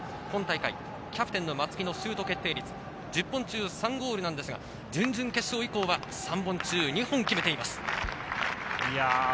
今大会キャプテン・松木のシュート決定率、１０本中３ゴールですが、準々決勝以降は３本中、２本決めています。